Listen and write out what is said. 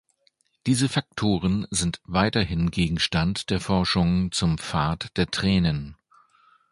Diese Faktoren sind weiterhin Gegenstand der Forschungen zum Pfad der Tränen.